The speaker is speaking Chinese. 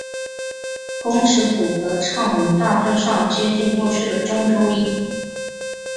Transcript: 工尺谱的唱名大致上接近过去的中州音。